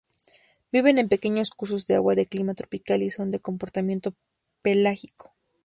Viven en pequeños cursos de agua de clima tropical, y son de comportamiento pelágico.